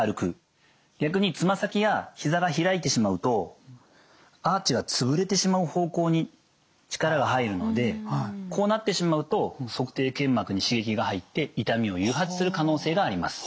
逆につま先や膝が開いてしまうとアーチが潰れてしまう方向に力が入るのでこうなってしまうと足底腱膜に刺激が入って痛みを誘発する可能性があります。